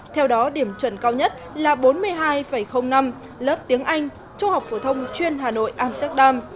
theo đó điểm chuẩn cao nhất là bốn mươi hai năm lớp tiếng anh trung học phổ thông chuyên hà nội amsterdam